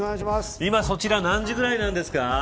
今そちら何時くらいなんですか。